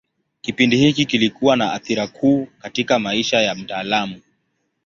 Kipindi hiki kilikuwa na athira kuu katika maisha ya mtaalamu.